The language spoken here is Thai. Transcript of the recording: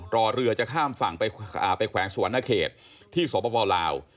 รอเรือจะข้ามฝั่งไปแขวงสุวรรณเขตที่สปลาว